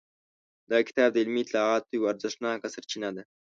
دا کتاب د علمي اطلاعاتو یوه ارزښتناکه سرچینه ده.